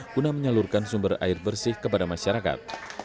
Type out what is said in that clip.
guna menyalurkan sumber air bersih kepada masyarakat